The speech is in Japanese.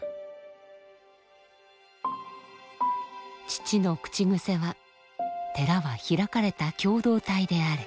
父の口癖は「寺は開かれた共同体であれ」。